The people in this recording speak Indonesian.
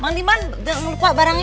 mandi mandi jangan lupa barangnya